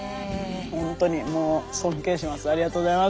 ほんとにもう尊敬します。